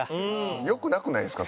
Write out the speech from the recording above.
よくなくないですか？